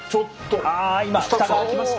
あ今蓋が開きました！